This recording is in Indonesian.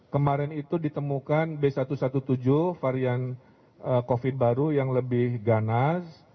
kemarin itu ditemukan b satu satu tujuh varian covid baru yang lebih ganas